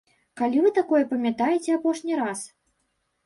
Калі вы такое памятаеце апошні раз?